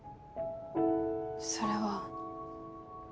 それは。